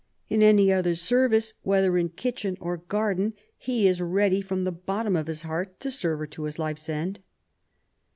In any other service, whether in kitchen or garden, he is ready from the bottom of his 6o QUEEN ELIZABETH, I heart to serve her to his life's end."